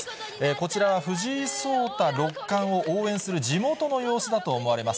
こちらは藤井聡太六冠を応援する地元の様子だと思われます。